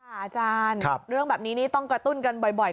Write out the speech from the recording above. อาจารย์เรื่องแบบนี้นี่ต้องกระตุ้นกันบ่อย